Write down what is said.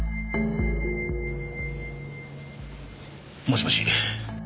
もしもし？